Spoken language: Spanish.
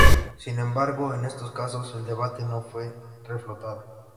Sin embargo en estos casos, el debate no fue reflotado.